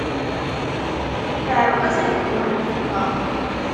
Tɛelleq-as ageṭṭum n lfeṭṭa.